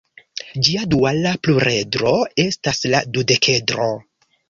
Ĝia duala pluredro estas la dudekedro.